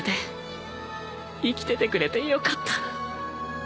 生きててくれてよかった。